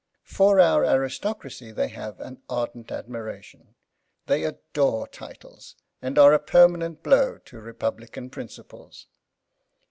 For our aristocracy they have an ardent admiration; they adore titles and are a permanent blow to Republican principles.